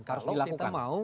kalau kita mau